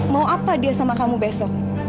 mau apa dia sama kamu besok